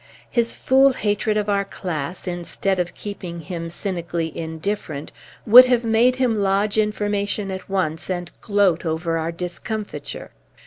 His fool hatred of our class, instead of keeping him cynically indifferent, would have made him lodge information at once and gloat over our discomfiture."